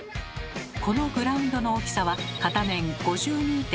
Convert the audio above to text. このグラウンドの大きさは片面５２．５ｍ。